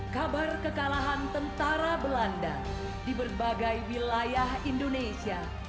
kabar kekalahan tentara belanda di berbagai wilayah indonesia